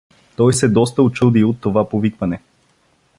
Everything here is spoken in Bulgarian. Той се доста очуди от това повикване.